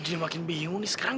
tapi gue sadar